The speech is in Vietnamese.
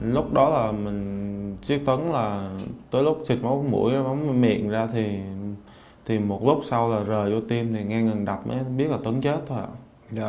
lúc đó là mình chết tuấn là tới lúc xịt móng mũi móng miệng ra thì một lúc sau là rời vô tim thì nghe ngừng đập mới biết là tuấn chết thôi ạ